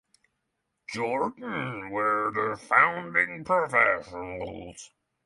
Jordan were the founding professionals.